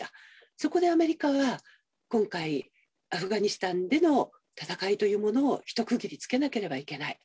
そこでアメリカは、今回、アフガニスタンでの戦いというものを一区切りつけなければいけない。